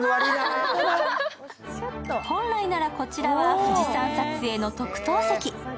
本来なら、こちらは富士山撮影の特等席。